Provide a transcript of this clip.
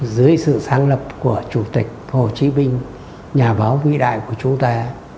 dưới sự sáng lập của chủ tịch hồ chí minh nhà báo vĩ đại của chúng ta